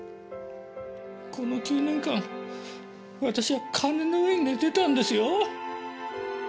この９年間私は金の上に寝てたんですよ？